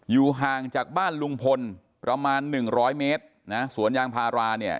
อยู่ห่างจากบ้านลุงพลประมาณหนึ่งร้อยเมตรนะสวนยางพาราเนี่ย